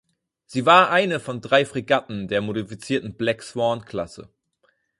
Sie war eine von drei Fregatten der modifizierten "Black-Swan"-Klasse.